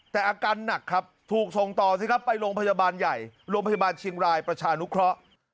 แต่อาการหนักครับถูกส่งต่อสิครับไปโรงพยาบาลใหญ่โรงพยาบาลเชียงรายประชานุเคราะห์